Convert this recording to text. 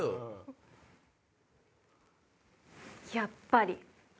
やっぱり！